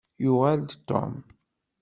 Yuɣal-d Tom.